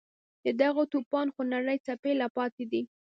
د دغه توپان خونړۍ څپې لا پاتې دي.